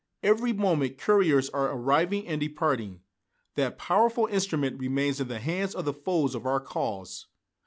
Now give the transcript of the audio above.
Every moment couriers are arriving and departing. That powerful instrument remains in the hands of the foes of our cause!